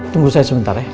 tunggu saya sebentar ya